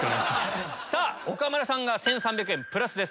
さぁ岡村さんが１３００円プラスです。